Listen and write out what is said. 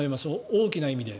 大きな意味で。